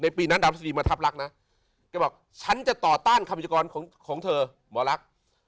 ในปีนั้นออนภาศรีมาทับลักษณ์นะเขาบอกฉันจะต่อต้านคำวิจกรของเธอหมอลักษณ์